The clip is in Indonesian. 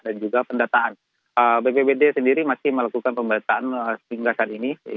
dan juga pendataan bppd sendiri masih melakukan pembantuan sehingga saat ini